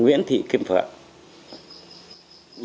nguyễn thị kim phượng